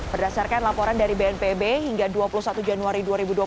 berdasarkan laporan dari bnpb hingga dua puluh satu januari dua ribu dua puluh